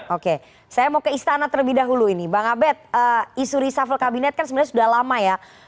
oke saya mau ke istana terlebih dahulu ini bang abed isu reshuffle kabinet kan sebenarnya sudah lama ya